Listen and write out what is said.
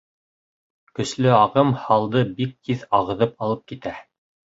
Көслө ағым һалды бик тиҙ ағыҙып алып китә.